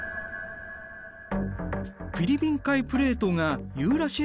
フィリピン海プレートがユーラシア